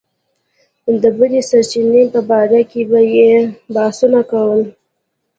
د بدۍ د سرچينې په باره کې به يې بحثونه کول.